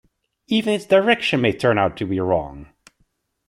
Even its direction may turn out to be wrong.